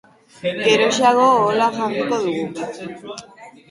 Geroxeago ohola jarriko dugu.